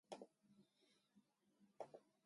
長野県軽井沢町